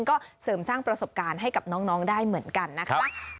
ก็เสริมสร้างประสบการณ์ให้กับน้องได้เหมือนกันนะคะ